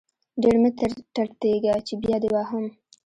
ډير مه ټرتيږه چې بيا دې وهم.